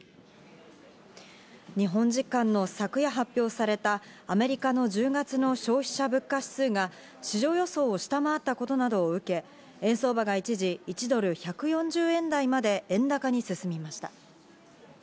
日本時間の昨夜発表されたアメリカの１０月の消費者物価指数が、市場予想を下回ったことなどを受け、円相場が一時、１ドル＝１４０円台まで円高に進みました。